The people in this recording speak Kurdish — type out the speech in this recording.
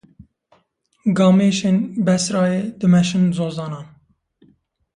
Gamêşên Besrayê dimeşin zozanan.